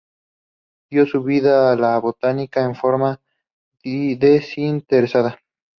Dio su vida a la botánica en forma desinteresada.